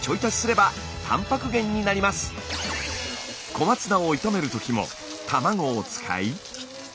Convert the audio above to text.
小松菜を炒めるときも卵を使い。